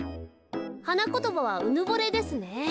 はなことばはうぬぼれですね。